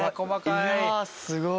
いやすごい。